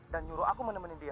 dan nyuruh aku menemenin dia